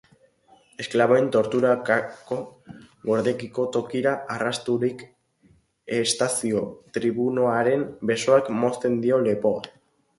Esklaboen torturarako gorderiko tokira arrastaturik, Estazio tribunoaren besoak mozten dio lepoa.